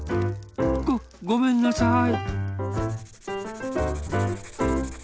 ごごめんなさい。